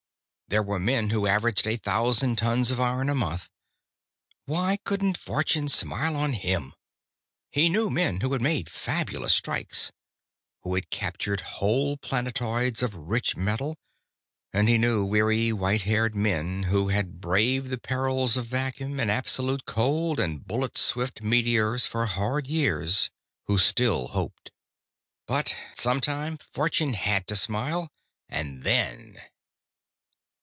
There were men who averaged a thousand tons of iron a month. Why couldn't fortune smile on him? He knew men who had made fabulous strikes, who had captured whole planetoids of rich metal, and he knew weary, white haired men who had braved the perils of vacuum and absolute cold and bullet swift meteors for hard years, who still hoped. But sometime fortune had to smile, and then....